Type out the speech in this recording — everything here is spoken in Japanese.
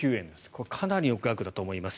これはかなりの額だと思います。